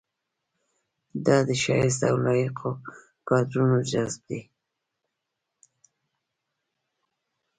دا د شایسته او لایقو کادرونو جذب دی.